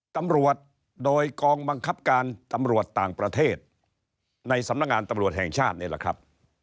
ตำรวจโดยกองบังคับการตำรวจต่างประเทศในสำนักงานตำรวจแห่งชาตินี่แหละครับ